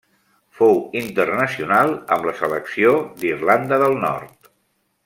Fou internacional amb la selecció d'Irlanda del Nord.